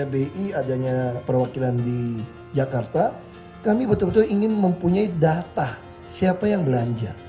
bi adanya perwakilan di jakarta kami betul betul ingin mempunyai data siapa yang belanja